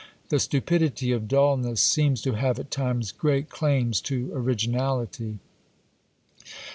The stupidity of dulness seems to have at times great claims to originality!